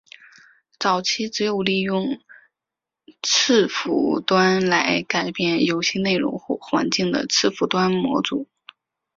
早期只有利用伺服端来改变游戏内容或环境的伺服端模组。